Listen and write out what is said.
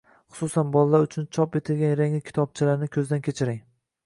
xususan, bolalar uchun chop etilgan rangli kitobchalarni ko‘zdan kechiring.